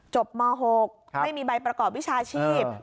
ม๖ไม่มีใบประกอบวิชาชีพ